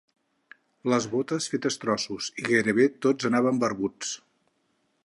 Les botes fetes trossos i gairebé tots anaven barbuts.